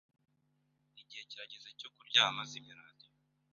Igihe kirageze cyo kuryama. Zimya radiyo.